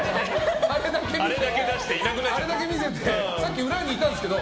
あれだけ出してさっき裏にいたんですけど。